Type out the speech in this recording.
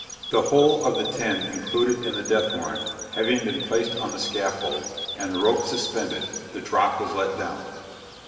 The whole of the ten included in the death warrant, having been placed on the scaffold, and the ropes suspended, the drop was let down.